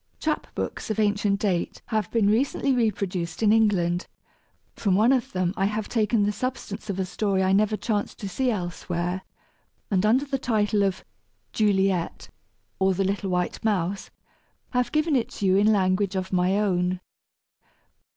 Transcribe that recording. Chap books of ancient date have been recently reproduced in England; from one of them, I have taken the substance of a story I never chanced to see elsewhere, and under the title of "Juliet; or, the Little White Mouse" have given it to you in language of my own.